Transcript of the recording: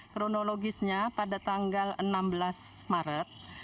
kronologisnya pada tanggal enam belas maret